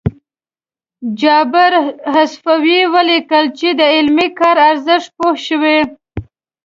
جابر عصفور ولیکل چې د علمي کار ارزښت پوه شوي.